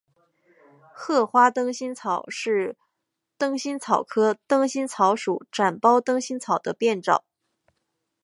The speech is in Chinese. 褐花灯心草是灯心草科灯心草属展苞灯心草的变种。